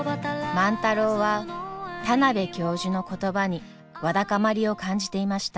万太郎は田邊教授の言葉にわだかまりを感じていました。